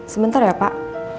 sebentar ya pak